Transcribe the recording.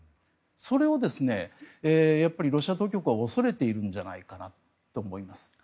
それをロシア当局は恐れているんじゃないかなと思います。